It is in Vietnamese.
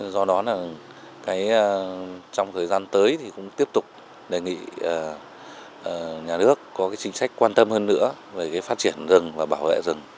do đó trong thời gian tới thì cũng tiếp tục đề nghị nhà nước có chính sách quan tâm hơn nữa về phát triển rừng và bảo vệ rừng